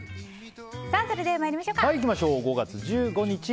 それでは参りましょう。